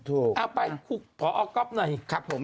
ถูกคุกพ่ออก๊อบหน่อยโอเคมากครับ